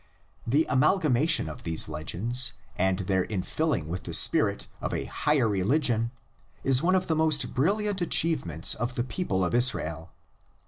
The amalgamation of these legends and their infilling with the spirit of a higher religion is one of the most brilliant achievements of the people of Israel.